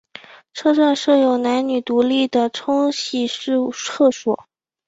车站设有男女独立的冲洗式厕所。